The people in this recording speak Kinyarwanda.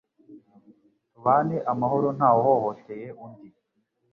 Tubane amahoro ntawuhohoteye undi,